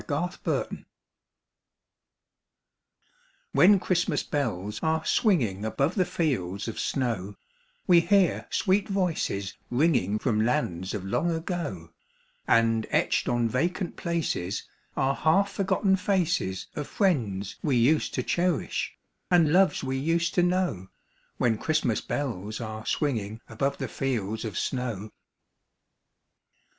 CHRISTMAS FANCIES When Christmas bells are swinging above the fields of snow, We hear sweet voices ringing from lands of long ago, And etched on vacant places Are half forgotten faces Of friends we used to cherish, and loves we used to know— When Christmas bells are swinging above the fields of snow.